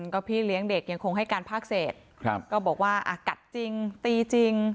ก็พี่เลี้ยงเด็กยังคงให้การภาคเศษก็บอกว่ากัดจริงตีจริง